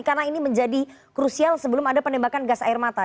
karena ini menjadi krusial sebelum ada penembakan gas air mata